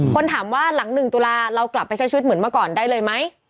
คนถามว่าหลัง๑ตุลาเรากลับไปใช้ชีวิตเหมือนเมื่อก่อนได้เลยไหม